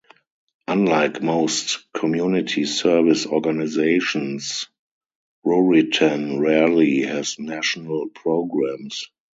Unlike most community service organizations, Ruritan rarely has national programs.